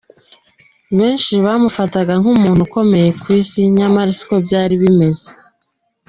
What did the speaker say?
Benshi bamaufataga nk’umuntu ukomeye ku isi nyamara siko byari bimeze.